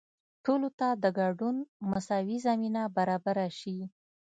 ټولو ته د ګډون مساوي زمینه برابره شي.